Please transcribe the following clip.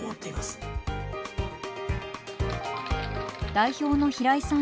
代表の平井さん